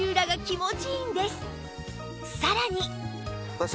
さらに